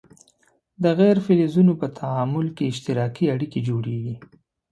د غیر فلزونو په تعامل کې اشتراکي اړیکې جوړیږي.